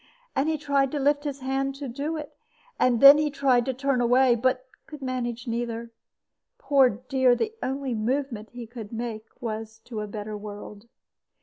And he tried to lift his hand to do it; and then he tried to turn away, but could not manage either. Poor dear! the only movement he could make was to a better world.